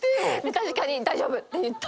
確かに「大丈夫」って言った。